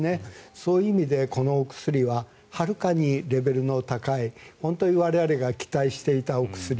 そういう意味でこのお薬ははるかにレベルの高い本当に我々が期待していたお薬。